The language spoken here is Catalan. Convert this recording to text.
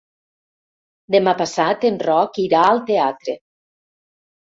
Demà passat en Roc irà al teatre.